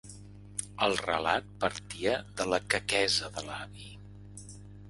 El relat partia de la quequesa de l'avi.